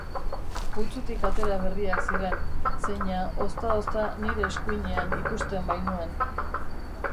Putzutik atera berriak ziren, zeina ozta-ozta nire eskuinean ikusten bainuen.